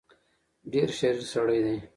ډېر شریر سړی دی.